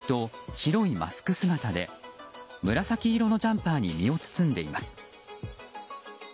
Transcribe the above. しま模様のキャップと白いマスク姿で紫色のジャンパーに身を包んでいます。